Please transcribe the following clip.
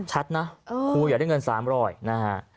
ชัดนะครูอยากได้เงิน๓๐๐นะฮะ